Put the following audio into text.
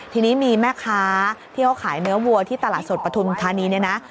ทีนี้มีแม่ค้าที่เขาขายเนื้อวัวที่ตลาดสดปฐุมธานีเนี่ยนะ